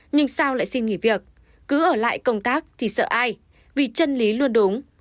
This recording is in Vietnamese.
nhưng sao lại xin nghỉ việc cứ ở lại công tác thì sợ ai vì chân lý luôn đúng